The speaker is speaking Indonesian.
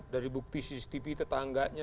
dari bukti cctv tetangganya